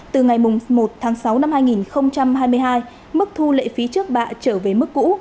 từ ngày một tháng sáu năm hai nghìn hai mươi hai mức thu lệ phí trước bạ trở về mức cũ